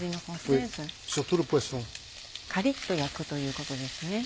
カリっと焼くということですね